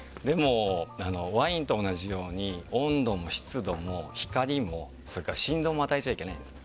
ワインと同じように温度も湿度も光も振動も与えちゃいけないんですね。